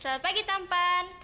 selamat pagi tampan